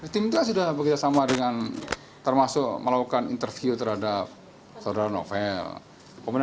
tim itu sudah bekerjasama dengan termasuk melakukan interview